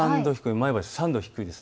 前橋、３度低いんです。